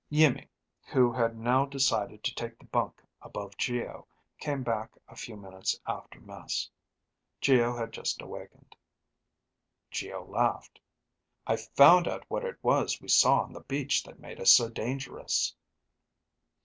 Iimmi, who had now decided to take the bunk above Geo, came back a few minutes after mess. Geo had just awakened. Geo laughed. "I found out what it was we saw on the beach that made us so dangerous."